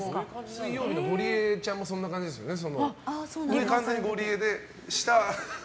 水曜日のゴリエちゃんそんな感じですよね。